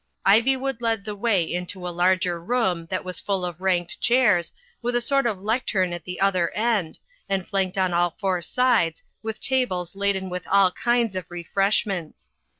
Ivy wood led the way into a larger room that was full of ranked chairs, with a sort of lectern at the other end, and flanked on all four sides with tables laden with all kinds of refreshments.